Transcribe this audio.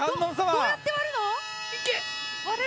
どうやって割るの？